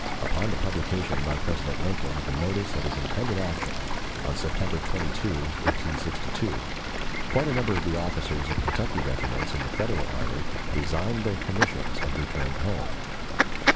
Upon the publication by President Lincoln of the notice of his intended action on September 22, 1862, quite a number of the officers of Kentucky regiments in the Federal army resigned their commissions and returned home.